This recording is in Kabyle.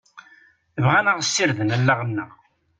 Bɣan ad ɣ-sirden allaɣ-nteɣ.